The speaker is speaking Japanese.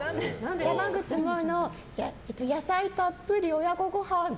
山口もえの野菜たっぷり親子ごはん。